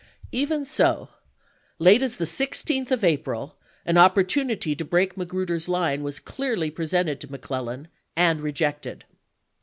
1862. Even so late as the 16th of April, an opportu nity to break Magruder's line was clearly presented to McClellan and rejected.